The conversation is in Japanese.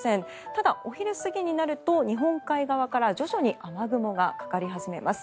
ただ、お昼過ぎになると日本海側から徐々に雨雲がかかり始めます。